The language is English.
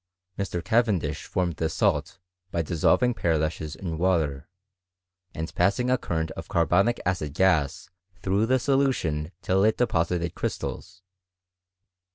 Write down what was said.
Mr. Cavendish formed the salt by dissolving pearlashes in Tfater, and passing a current of carbonic acid .gas through the solution till it deposited crystals.